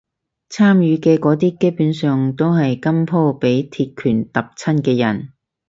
參與嘅嗰啲基本上都係今鋪畀鐵拳揼親嘅人